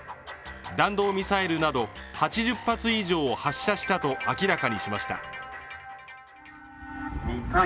弾道ミサイルなど８０発以上を発射したと明らかにしました。